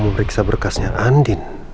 memeriksa berkasnya andin